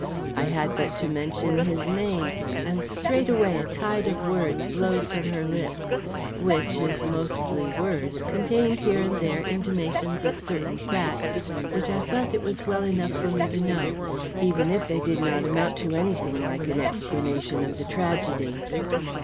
I had but to mention his name, and straightway a tide of words flowed from her lips, which, if mostly words, contained here and there intimations of certain facts which I felt it was well enough for me to know, even if they did not amount to any thing like an explanation of the tragedy.